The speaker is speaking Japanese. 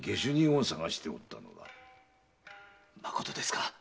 まことですか？